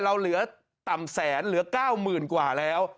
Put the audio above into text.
เราเหลือต่ำแสนเหลือ๙๐๐๐กว่าแล้ว